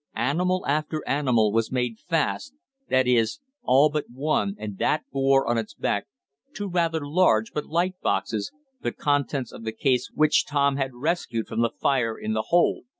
Animal after animal was made fast that is all but one and that bore on its back two rather large but light boxes the contents of the case which Tom had rescued from the fire in the hold.